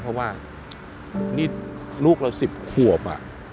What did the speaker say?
เพราะว่านี่ลูกเรา๑๐ขวบ